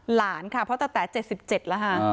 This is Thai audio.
หลานค่ะเพราะตะแต๋๗๗แล้วค่ะ